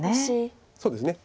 そうですね